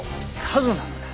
数なのだ！